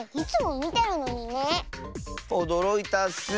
おどろいたッス！